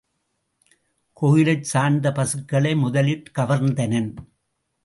கோயிலைச் சார்ந்த பசுக்களை முதலிற் கவர்ந்தனன்.